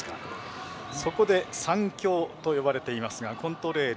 そこで３強と呼ばれているコントレイル